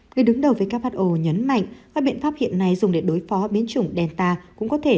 người đứng đầu who nhấn mạnh các biện pháp hiện nay dùng để đối phó biến chủng delta cũng có thể